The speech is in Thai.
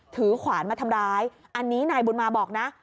ขวานมาทำร้ายอันนี้นายบุญมาบอกนะ